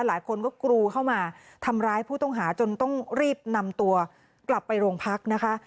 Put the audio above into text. หลายคนก็กรูเข้ามาทำร้ายผู้ต้องหาจนต้องรีบนำตัวกลับไปโรงพักนะคะ